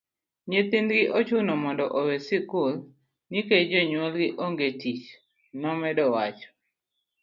nyithindgi ochuno mondo owe sikul nikech jonyuol gi onge tich',nomedo wacho